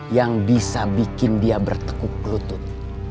yang bisa bikin dia bertekuk lutut